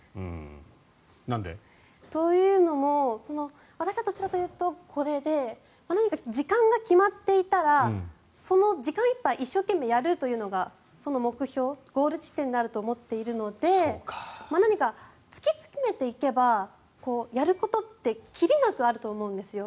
なんで？というのも私はどちらかというとこれで何か、時間が決まっていたらその時間いっぱい一生懸命やるというのがその目標ゴール地点になると思っているので何か突き詰めていけばやることってキリなくあると思うんですよ。